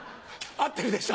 合ってるでしょ？